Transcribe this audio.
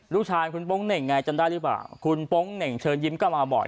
ลูกชายคุณโป๊งเหน่งไงจำได้หรือเปล่าคุณโป๊งเหน่งเชิญยิ้มก็มาบ่อย